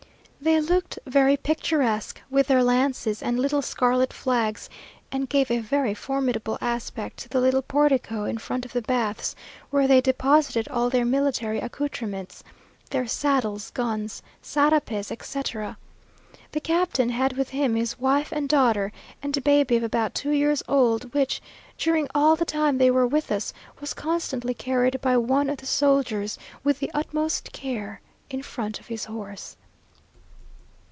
They looked very picturesque, with their lances, and little scarlet flags, and gave a very formidable aspect to the little portico in front of the baths, where they deposited all their military accoutrements their saddles, guns, sarapes, etc. The captain had with him his wife and daughter, and a baby of about two years old, which, during all the time they were with us, was constantly carried by one of the soldiers, with the utmost care, in front of his horse.